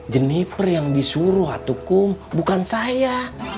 gineper yang disuruh atukum bukan saya